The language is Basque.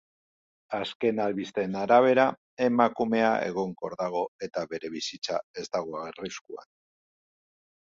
Azken albisteen arabera, emakumea egonkor dago eta bere bizitza ez dago arriskuan.